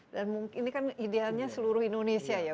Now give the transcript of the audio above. dan ini kan ideanya seluruh indonesia ya